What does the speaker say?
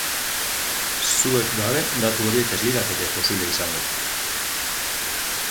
Zuek gabe datu horiek ez lirateke posible izango.